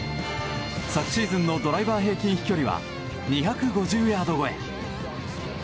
昨シーズンのドライバー平均飛距離は２５０ヤード超え。